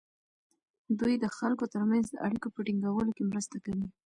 دوی د خلکو ترمنځ د اړیکو په ټینګولو کې مرسته کوي.